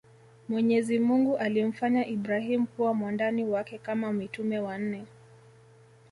Mwenyezimungu alimfanya Ibrahim kuwa mwandani wake Kama mitume wanne